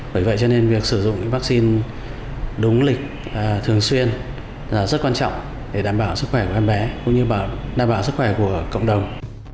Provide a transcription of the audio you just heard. bởi vậy cho nên việc sử dụng vaccine đúng lịch thường xuyên là rất quan trọng để đảm bảo sức khỏe của em bé cũng như đảm bảo sức khỏe của cộng đồng